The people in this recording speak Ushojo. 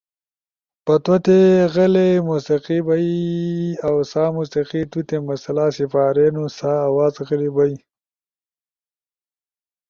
پتوتے غلئی موسیقی بئی۔ اؤ سا موسیقی توتے مسئلہ سپارینُو سا آواز غلے بئی۔